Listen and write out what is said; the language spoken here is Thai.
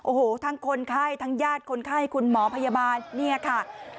โอ้โหทั้งคนไข้ทั้งญาติคนไข้คุณหมอพยาบาลเนี่ยค่ะ